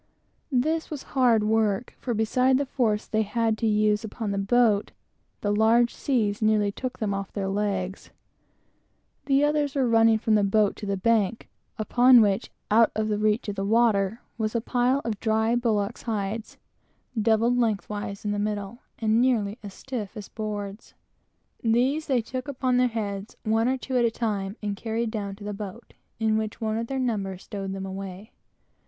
This was hard work; for beside the force they had to use upon the boat, the large seas nearly took them off their legs. The others were running from the boat to the bank, upon which, out of the reach of the water, was a pile of dry bullocks' hides, doubled lengthwise in the middle, and nearly as stiff as boards. These they took upon their heads, one or two at a time, and carried down to the boat, where one of their number stowed them away.